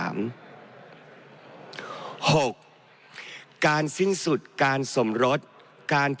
มาตรา๑๔ิ